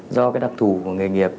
do đặc thù của nghề nghiệp